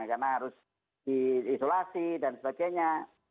karena harus di isolasi dan sebagainya